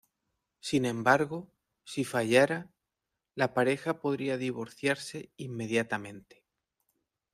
Sin embargo, si fallara, la pareja podría divorciarse inmediatamente.